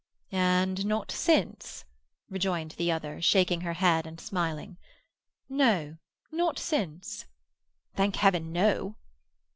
"And not since," rejoined the other, shaking her head and smiling. "No, not since?" "Thank Heaven, no!"